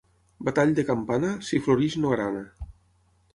Batall de campana, si floreix no grana.